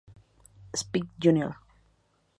Spike Jr.